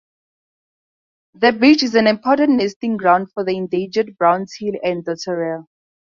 The beach is an important nesting ground for the endangered brown teal and dotterel.